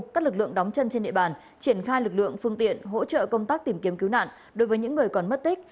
các lực lượng đóng chân trên địa bàn triển khai lực lượng phương tiện hỗ trợ công tác tìm kiếm cứu nạn đối với những người còn mất tích